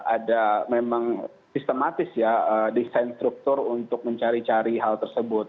ada memang sistematis ya desain struktur untuk mencari cari hal tersebut